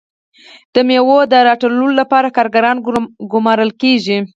د میوو د راټولولو لپاره کارګران ګمارل کیږي.